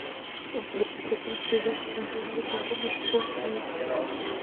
د پلچکونو په ډیزاین کې ژوندي او مړه بارونه په پام کې نیول کیږي